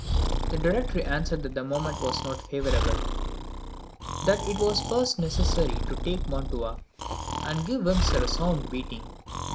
The Directory answered that the moment was not favourable; that it was first necessary to take Mantua, and give Wurmser a sound beating.